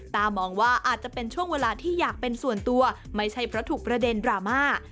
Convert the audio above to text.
ตามองว่าอาจจะเป็นช่วงเวลาที่อยากเป็นส่วนตัวไม่ใช่เพราะถูกประเด็นดราม่า